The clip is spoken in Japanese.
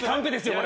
これ。